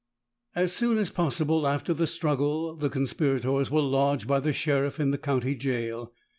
] As soon as possible after the struggle, the conspirators were lodged by the sheriff in the county gaol.